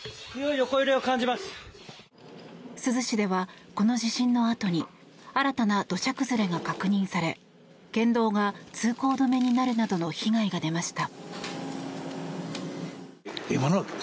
珠洲市では、この地震のあとに新たな土砂崩れが確認され県道が通行止めになるなどの被害が出ました。